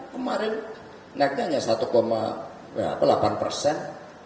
kemarin naiknya hanya satu delapan persen